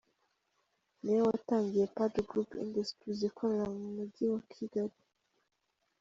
Ni we watangije Pajo Group Industries ikorera mu Mujyi wa Kigali.